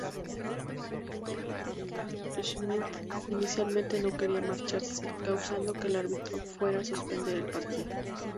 Schmidt inicialmente no quería marcharse, causando que el árbitro fuera a suspender el partido.